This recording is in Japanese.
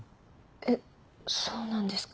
えっそうなんですか？